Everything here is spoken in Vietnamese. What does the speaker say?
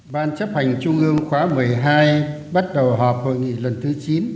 ban chấp hành trung ương khóa một mươi hai bắt đầu họp hội nghị lần thứ chín